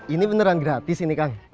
ini beneran gratis ini kang